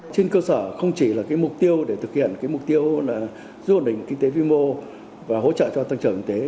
trên cơ sở không chỉ là mục tiêu để thực hiện mục tiêu là giữ ổn định kinh tế vi mô và hỗ trợ cho tăng trưởng kinh tế